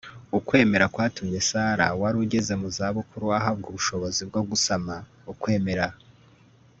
ukwemera kwatumye sara wari ugeze mu zabukuru ahabwa ubushobozi bwo gusama. ukwemera